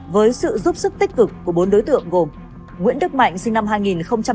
với sự giúp sức tích cực của bốn đối tượng gồm nguyễn đức mạnh sinh năm hai nghìn hai